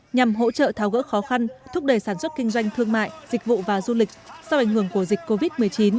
nhằm hỗ trợ tháo gỡ khó khăn thúc đẩy sản xuất kinh doanh thương mại dịch vụ và du lịch sau ảnh hưởng của dịch covid một mươi chín